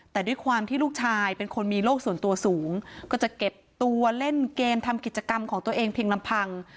แต่ด้วยความที่ลูกชายเป็นคนมีโลกส่วนตัวสูงก็จะเก็บตัวเล่นเกมทำกิจกรรมของตัวเองเพียงลำพัง